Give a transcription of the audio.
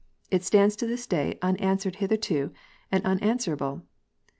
It stands to this day unanswered hitherto and unanswerable.